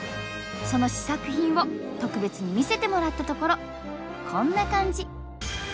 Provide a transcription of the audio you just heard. その試作品を特別に見せてもらったところこんな感じ。